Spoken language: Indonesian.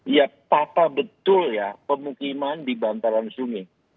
ya tata betul ya pemukiman di bantaran sungai